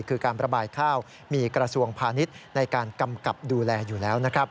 คือการประบายข้าวมีกระทรวงพาณิชย์ในการกำกับดูแลอยู่แล้วนะครับ